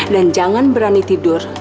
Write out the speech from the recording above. dan jangan berani tidur